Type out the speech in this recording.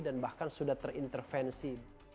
dan bahkan sudah terintervensi